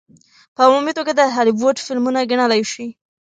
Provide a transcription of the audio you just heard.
په عمومي توګه د هالي وډ فلمونه ګڼلے شي.